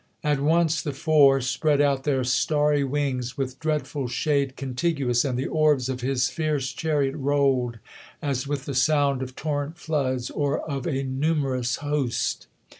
At once the Foiii' spread out their starry wings With dreadful shade contiguous, and the orbs Of his fierce chariot rolPd, as with the sound Of torrent floods, or of a numerous host.